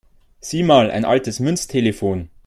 Sieh mal, ein altes Münztelefon!